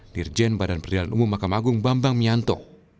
dirjen badan peradilan umum mahkamah agung bambang mianto